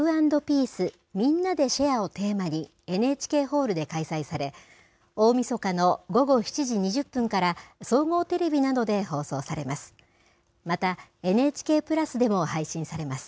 ーをテーマにＮＨＫホールで開催され、大みそかの午後７時２０分から、総合テレビなどで放送されます。